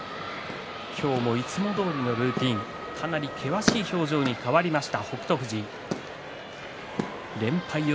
いつもどおりのルーティン、険しい表情に変わりました。